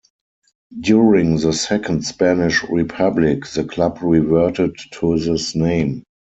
During the Second Spanish Republic the club reverted to this name.